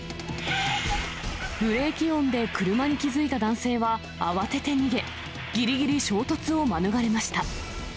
ブレーキ音で車に気付いた男性は、慌てて逃げ、ぎりぎり衝突を免れました。